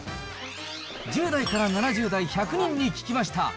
１０代から７０代１００人に聞きました。